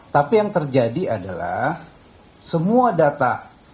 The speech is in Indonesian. tapi yang terjadi adalah semua data